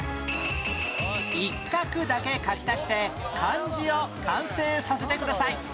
一画だけ書き足して漢字を完成させてください